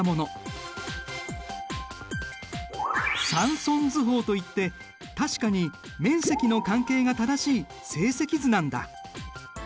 サンソン図法といって確かに面積の関係が正しい正積図なんだ。